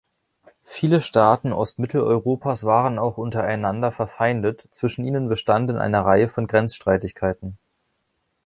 Viele Staaten Ostmitteleuropas waren auch untereinander verfeindet, zwischen ihnen bestanden eine Reihe von Grenzstreitigkeiten.